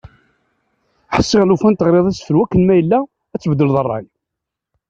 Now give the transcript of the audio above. Ḥsiɣ lufan teɣriḍ asefru akken ma yella, ad tbeddleḍ rray.